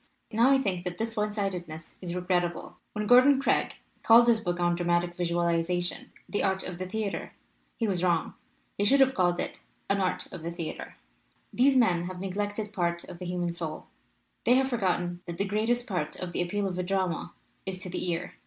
"Now I think that this one sidedness is re grettable. When Gordon Craig called his book on dramatic visualization The Art of the Theater he was wrong. He should have called it 'An Art of the Theater/ "These men have neglected part of the human soul. They have forgotten that the greatest part of the appeal of a drama is to the ear.